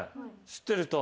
知ってる人。